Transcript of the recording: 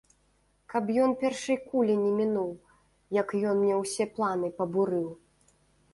Каб ён першай кулі не мінуў, як ён мне ўсе планы пабурыў.